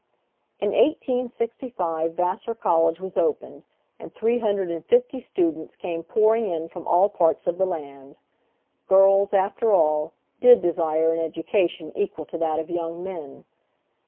In 1865 Vassar College was opened, and three hundred and fifty students came pouring in from all parts of the land. Girls, after all, did desire an education equal to that of young men.